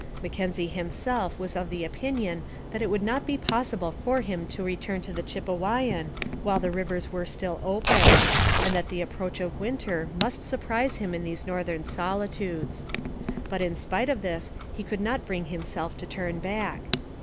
Mackenzie himself was of the opinion that it would not be possible for him to return to Chipewyan while the rivers were still open, and that the approach of winter must surprise him in these northern solitudes. But in spite of this he could not bring himself to turn back.